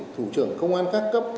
thủ trưởng công an khác cấp